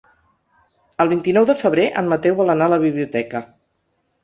El vint-i-nou de febrer en Mateu vol anar a la biblioteca.